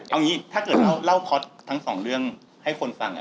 เอางี้ถ้าเกิดเล่าค็อตทั้งสองเรื่องให้คนฟัง